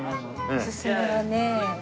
おすすめはね。